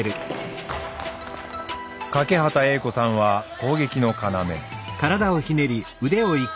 欠端瑛子さんは攻撃の要。